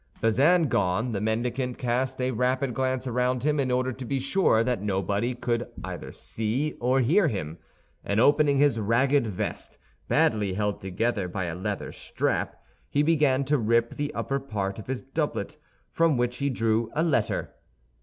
Bazin gone, the mendicant cast a rapid glance around him in order to be sure that nobody could either see or hear him, and opening his ragged vest, badly held together by a leather strap, he began to rip the upper part of his doublet, from which he drew a letter.